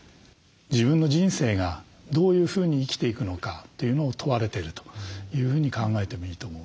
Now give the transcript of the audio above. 自分の人生がどういうふうに生きていくのかというのを問われてるというふうに考えてもいいと思うんです。